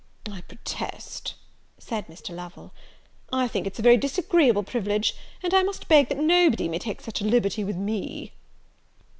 "I protest," said Mr. Lovel, "I think it's a very disagreeable privilege, and I must beg that nobody may take such a liberty with me."